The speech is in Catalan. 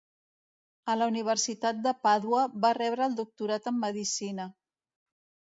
A la Universitat de Pàdua va rebre el doctorat en medicina.